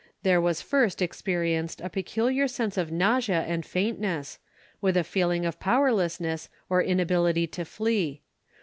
There was first experienced a peculiar sense of nausea and faintness, with a feeling of powerlessness or inability to flee.